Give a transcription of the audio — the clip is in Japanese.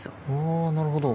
あなるほど。